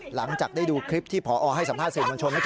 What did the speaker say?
หลังจากได้ดูคลิปที่พอให้สัมภาษณสื่อมวลชน